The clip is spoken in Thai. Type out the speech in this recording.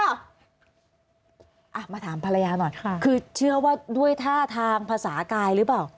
อ่ะมาถามภรรยาหน่อยค่ะคือเชื่อว่าด้วยท่าทางภาษากายหรือเปล่า